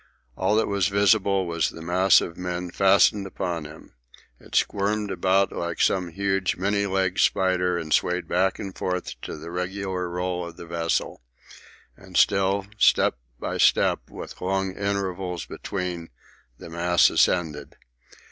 All that was visible was the mass of men fastened upon him. It squirmed about, like some huge many legged spider, and swayed back and forth to the regular roll of the vessel. And still, step by step with long intervals between, the mass ascended.